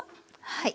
はい。